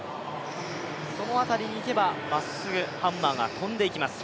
その辺りにいけば、まっすぐハンマーが飛んでいきます。